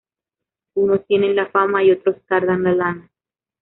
Unos tienen la fama y otros cardan la lana